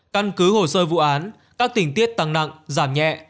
căn cứ hồ sơ vụ án các tình tiết tăng nặng giảm nhẹ